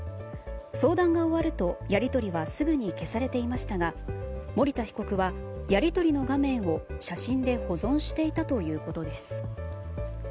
相談が終わると、やり取りはすぐに消されていましたが森田被告はやり取りの画面を写真で保存していたということです。